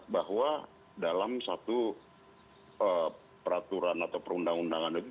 bahwa dalam satu peraturan atau perundang undangan itu